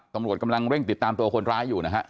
ตำรวจกำลังเร่งติดตามตัวคนร้ายอยู่นะฮะ